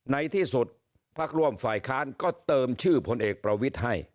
ในที่สุดพักร่วมฝ่ายค้านก็เติมชื่อพลเอกประวิทย์ให้